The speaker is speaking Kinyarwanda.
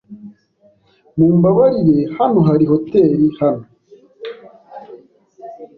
Mumbabarire, hano hari hoteri hano?